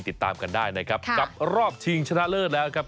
๑๖๑๕ติดตามกันได้กลับรอบชิงชนะเลิศนะครับ